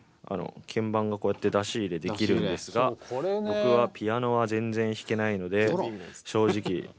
あの鍵盤がこうやって出し入れできるんですが僕はピアノは全然弾けないので正直